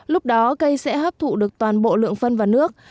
lúc đó cây sẽ hấp thụ được toàn bộ lượng phân và nước